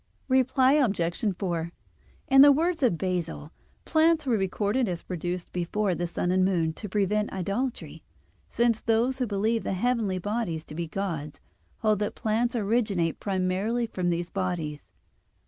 Reply Obj. 4: In the words of Basil (Hom. v in Hexaem.), plants were recorded as produced before the sun and moon, to prevent idolatry, since those who believe the heavenly bodies to be gods, hold that plants originate primarily from these bodies.